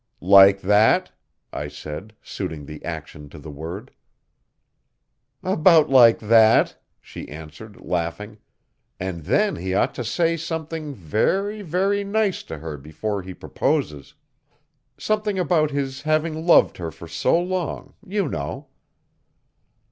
'Like that,' I said, suiting the action to the word. 'About like that,' she answered, laughing, 'and then he ought to say something very, very, nice to her before he proposes something about his having loved her for so long you know.'